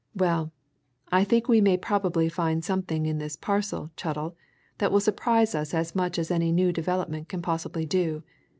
Well I think we may probably find something in this parcel, Chettle, that will surprise us as much as any new development can possibly do.